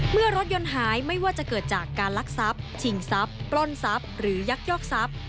เมื่อรถยนต์หายไม่ว่าจะเกิดจากการลักทรัพย์ชิงทรัพย์ปล้นทรัพย์หรือยักยอกทรัพย์